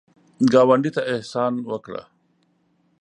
ګاونډي ته احسان وکړه